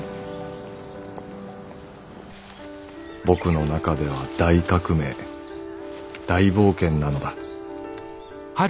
「僕の中では大革命大冒険なのだ」。